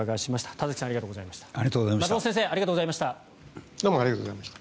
田崎さん、松本先生ありがとうございました。